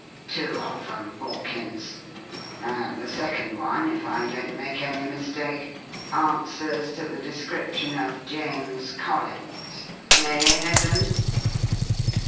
"Two of 'em, Borkins. And the second one, if I don't make any mistake, answers to the description of James Collins eh, Headland?"